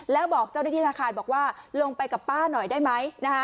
แล้วบอกเจ้าหน้าที่ธนาคารบอกว่าลงไปกับป้าหน่อยได้ไหม